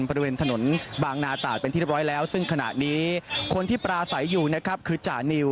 บริเวณถนนบางนาตาดเป็นที่เรียบร้อยแล้วซึ่งขณะนี้คนที่ปราศัยอยู่นะครับคือจ่านิว